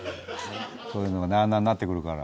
そういうのなあなあになってくるから。